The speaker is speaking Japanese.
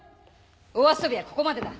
お遊びはここまでだ。